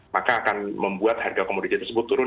maka akan membuat harga komoditi tersebut turun